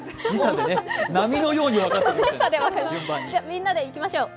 みんなでいきましょう。